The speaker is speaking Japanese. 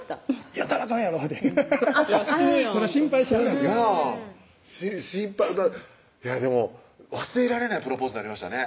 「やったらあかんやろ！」って死ぬやんとでも忘れられないプロポーズになりましたね